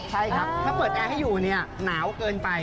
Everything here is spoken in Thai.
ใช่ครับถ้าเปิดแอร์ให้อยู่เนี่ยหนาวเกินไป